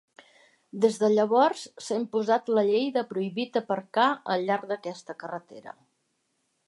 Des de llavors, s'ha imposat la llei de 'prohibit aparcar' al llarg d'aquesta carretera.